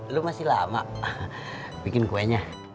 lo masih lama bikin kuenya